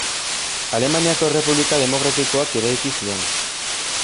Alemaniako Errepublika demokratikoak eraiki zuen.